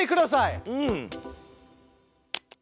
うん。